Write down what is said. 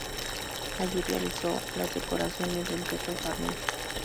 Allí realizó las decoraciones del Teatro Farnese.